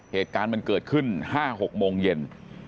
เหตุการณ์มันเกิดขึ้น๕๖โมงเย็น